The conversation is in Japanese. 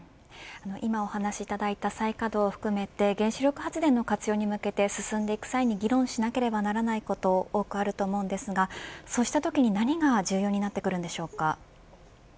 今お話いただいた再稼働を含めて原子力発電の活用に向けて進んでいく際に議論しなければいけないこと多くあると思いますがそうしたとき何が重要になってくるんでしょうか。